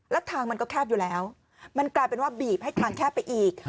แล้วทางมันก็แคบอยู่แล้วมันกลายเป็นว่าบีบให้ทางแคบไปอีก